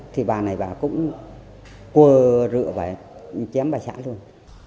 thì bà này bà cũng cua rượu và chém bà xã luôn